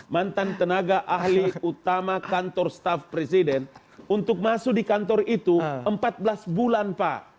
mantan tenaga ahli utama kantor staff presiden untuk masuk di kantor itu empat belas bulan pak